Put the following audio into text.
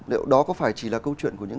liệu đó có phải chỉ là câu chuyện của những